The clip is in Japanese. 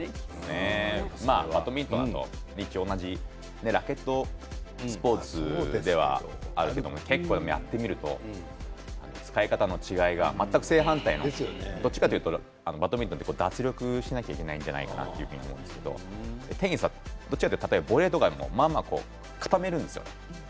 バドミントンは同じラケットスポーツではあるけど結構やってみると使い方の違いが全く正反対のどっちかというとバドミントンは脱力しなきゃいけないんじゃないかなという部分があるんですけどテニスはどっちかというとボレーとかでもまんま固めるんですよ。